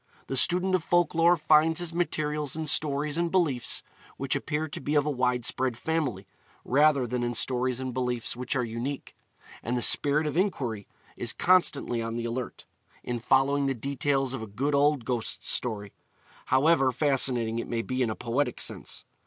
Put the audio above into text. The student of folk lore finds his materials in stories and beliefs which appear to be of a widespread family, rather than in stories and beliefs which are unique; and the spirit of inquiry is constantly on the alert, in following the details of a good old ghost story, however fascinating it may be in a poetic sense.